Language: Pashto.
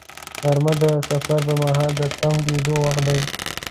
غرمه د سفر پر مهال د تم کېدو وخت دی